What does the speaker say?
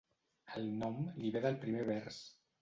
El nom li ve del primer vers.